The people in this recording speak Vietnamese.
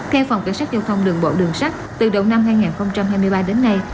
theo phòng cảnh sát giao thông đường bộ đường sắt từ đầu năm hai nghìn hai mươi ba đến nay